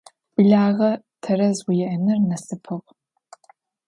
Блэгъэ тэрэз уиӏэныр насыпыгъ.